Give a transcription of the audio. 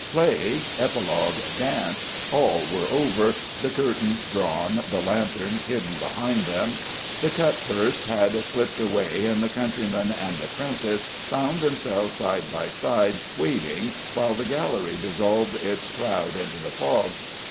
_" Play, epilogue, dance, all were over; the curtains drawn, the lanterns hidden behind them. The cutpurse had slipped away, and the countryman and apprentice found themselves side by side waiting while the gallery dissolved its crowd into the fog.